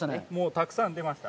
たくさん出ました。